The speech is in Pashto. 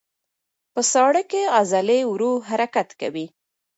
په ساړه کې عضلې ورو حرکت کوي.